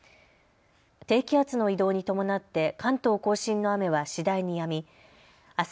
低気圧の移動に伴って関東甲信の雨は次第にやみあす